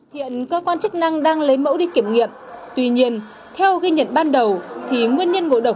hiện cơ quan chức năng đang lấy mẫu đi kiểm nghiệm tuy nhiên theo ghi nhận ban đầu thì nguyên nhân ngộ độc